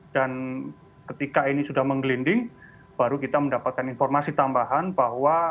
dan ketika ini sudah menggelinding baru kita mendapatkan informasi tambahan bahwa